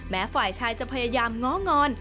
ฝ่ายชายจะพยายามง้องอน